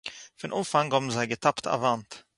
פון אָנפאַנג האָבן זיי געטאַפּט אַ וואַנט